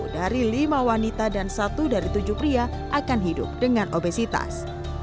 sepuluh dari lima wanita dan satu dari tujuh pria akan hidup dengan obesitas